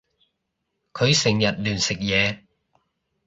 佢成日亂食嘢